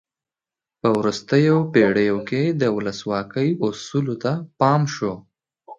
په وروستیو پیړیو کې د ولسواکۍ اصولو ته پام شو.